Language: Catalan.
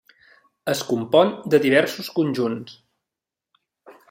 Es compon de diversos conjunts.